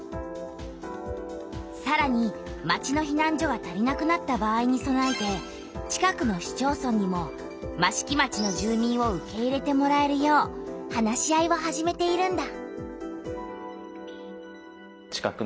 さらに町のひなん所が足りなくなった場合にそなえて近くの市町村にも益城町の住民を受け入れてもらえるよう話し合いを始めているんだ。